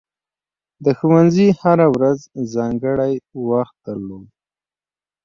د ښوونځي هره ورځ ځانګړی وخت درلود.